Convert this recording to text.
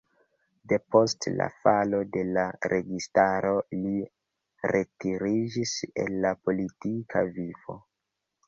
Depost la falo de la registaro li retiriĝis el la politika vivo.